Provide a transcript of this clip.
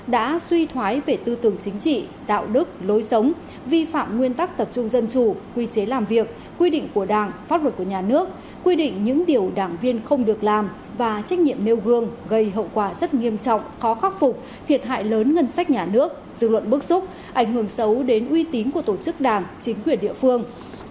đã suy thoái về tư tưởng chính trị đạo đức lối sống vi phạm nguyên tắc tập trung dân chủ quy chế làm việc quy định của đảng pháp luật của nhà nước quy định những điều đảng viên không được làm và trách nhiệm nêu gương gây hậu quả rất nghiêm trọng khó khắc phục thiệt hại lớn ngân sách nhà nước dự luận bức xúc ảnh hưởng xấu đến uy tín của tổ chức đảng chính quyền địa phương